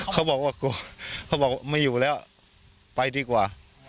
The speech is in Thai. เขาบอกว่าไม่อยู่แล้วไปดีกว่า